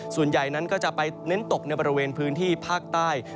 ส่วนใหญ่นั้นก็จะไปเน้นตกในบริเวณพื้นที่ภาคใต้